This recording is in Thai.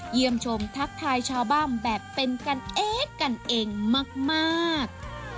เยี่ยมชมทักทายชาวบ้านแบบเป็นกันเองกันเองมาก